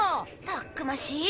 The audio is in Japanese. たっくましい。